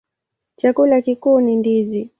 Chakula kikuu ni ndizi.